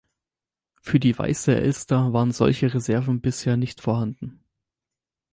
Für die Weiße Elster waren solche Reserven bisher nicht vorhanden.